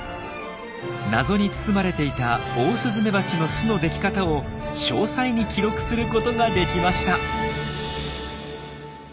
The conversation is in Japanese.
謎に包まれていたオオスズメバチの巣の出来方を詳細に記録することができました。